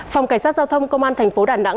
phòng cảnh sát giao thông công an tp đà nẵng